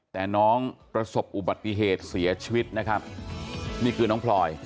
แต่น้องประสบอุบัติเหตุเสียชีวิตนะครับนี่คือน้องพลอย